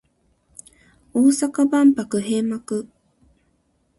大阪万博閉幕